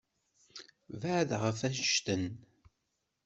Beɛɛed ɣef annect-en.